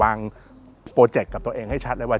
โปรเจคกับตัวเองให้ชัดเลยว่า